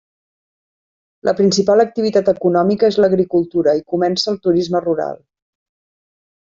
La principal activitat econòmica és l'agricultura i comença el turisme rural.